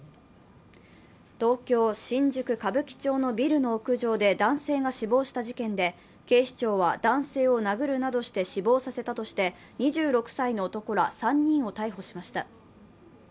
東京・新宿歌舞伎町のビルの屋上で男性が死亡した事件で、警視庁は、男性を殴るなどして死亡させたとして２６歳の男ら３人を逮捕しました。